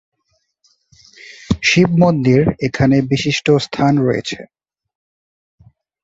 শিব মন্দির এখানে বিশিষ্ট স্থান রয়েছে।